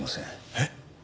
えっ？